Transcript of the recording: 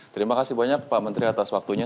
terima kasih banyak pak menteri atas waktunya